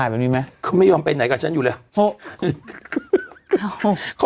ปินไหนกับฉันอยู่แล้ว